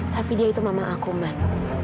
tapi dia itu mama aku man